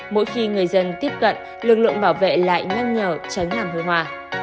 mỗi khi người dân tiếp cận lực lượng bảo vệ lại nhăn nhở tránh làm hơi hoa